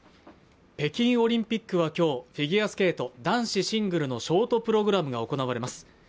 北京オリンピックは今日フィギュアスケート男子シングルのショートプログラムが行われます